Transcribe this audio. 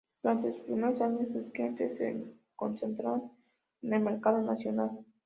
Durante sus primeros años sus clientes se concentraron en el mercado nacional.